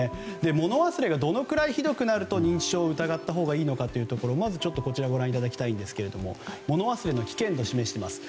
物忘れがどのぐらいひどくなると認知症を疑ったほうがいいのかこちらご覧いただきたいんですが物忘れの危険度を示しています。